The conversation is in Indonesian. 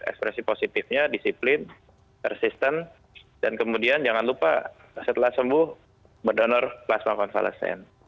ekspresi positifnya disiplin resisten dan kemudian jangan lupa setelah sembuh berdonor plasma konvalesen